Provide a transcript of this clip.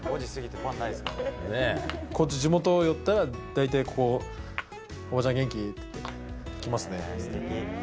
こっち、地元寄ったら、大体ここ、おばちゃん元気っていって、来ますね。